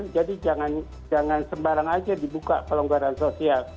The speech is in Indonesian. jadi jangan sembarang saja dibuka pelonggaran sosial